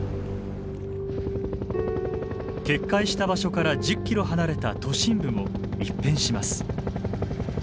決壊した場所から１０ｋｍ離れた都心部も一変します。